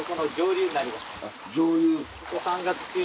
上流。